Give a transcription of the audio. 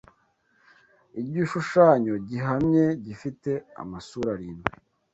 Igishushanyo gihamye gifite amasura arindwi